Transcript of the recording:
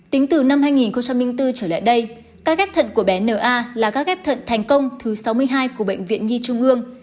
tính từ năm hai nghìn bốn trở lại đây các ghép thận của bé n a là các ghép thận thành công thứ sáu mươi hai của bệnh viện nhi trung ương